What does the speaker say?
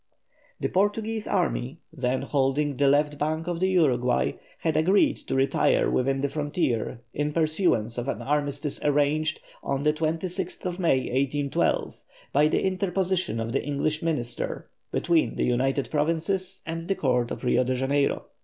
The Portuguese army, then holding the left bank of the Uruguay, had agreed to retire within the frontier in pursuance of an armistice arranged, on the 26th May, 1812, by the interposition of the English minister, between the United Provinces and the Court of Rio Janeiro.